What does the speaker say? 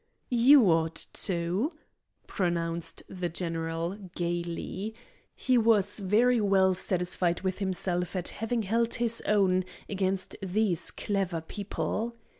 "You ought to," pronounced the general, gayly. He was very well satisfied with himself at having held his own against these clever people.